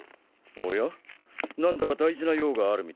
なんだか大事な用があるみたいだね。